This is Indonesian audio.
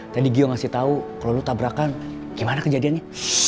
tadi gio ngasih tau kalo lo tabrakan gimana kejadiannya